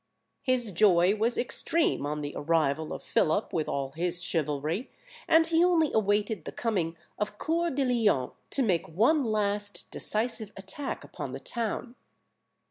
His joy was extreme on the arrival of Philip with all his chivalry, and he only awaited the coming of Coeur de Lion to make one last decisive attack upon the town.